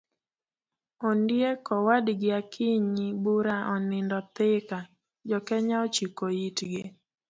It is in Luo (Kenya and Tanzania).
ondiek owadgi akinyi bura onindo thika, jokenya ochiko itgi